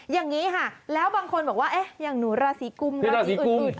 อย่างนี้ค่ะแล้วบางคนบอกว่าอย่างหนูราศีกุมราศีอื่น